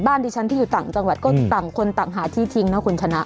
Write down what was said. ดิฉันที่อยู่ต่างจังหวัดก็ต่างคนต่างหาที่ทิ้งนะคุณชนะ